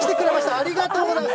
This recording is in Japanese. ありがとうございます。